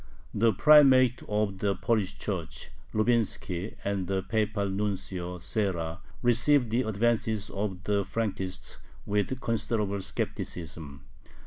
The Primate of the Polish Church Lubinski and the Papal Nuncio Serra received the advances of the Frankists with considerable skepticism.